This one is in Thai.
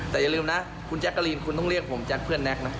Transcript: แต่อย่าลืมนะคุณแจ๊กกะลีนคุณต้องเรียกผมแจ๊คเพื่อนแก๊กนะ